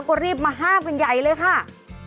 ก็รีบมาห้ามเป็นใยเลยค่ะ